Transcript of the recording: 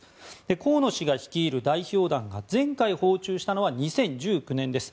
河野氏が率いる代表団が前回訪中したのが２０１９年です。